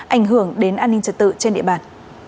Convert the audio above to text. ảnh hưởng đến an ninh trật tự trên địa bàn